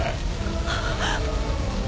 あっ！